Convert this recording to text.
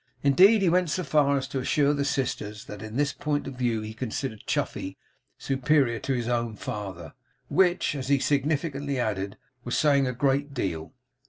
Indeed, he went so far as to assure the sisters, that in this point of view he considered Chuffey superior to his own father; which, as he significantly added, was saying a great deal.